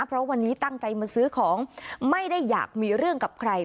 เพราะวันนี้ตั้งใจมาซื้อของไม่ได้อยากมีเรื่องกับใคร